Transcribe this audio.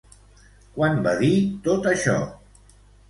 Quan va dir tot això?